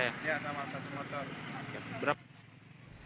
iya sama satu motor